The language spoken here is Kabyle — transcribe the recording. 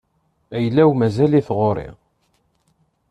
Ayla-w mazal-it ɣur-i.